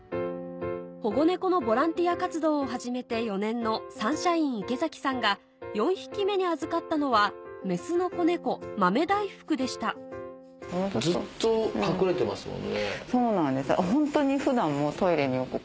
保護猫のボランティア活動を始めて４年のサンシャイン池崎さんが４匹目に預かったのはメスの子猫豆大福でしたそうなんですホントに。